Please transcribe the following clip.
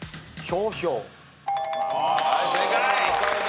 はい正解。